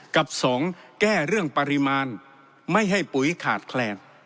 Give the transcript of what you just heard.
กับสองแก้เรื่องปริมาณไม่ให้ปุ๋ยขาดแคลน